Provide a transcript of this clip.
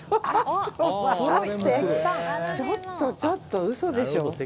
ちょっと待って嘘でしょ。